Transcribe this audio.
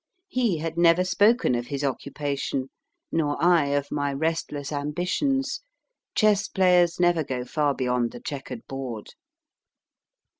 He had never spoken of his occupation, nor I of my restless ambitions chess players never go far beyond the chequered board.